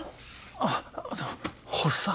あっ発作。